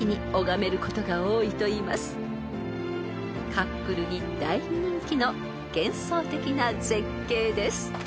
［カップルに大人気の幻想的な絶景です］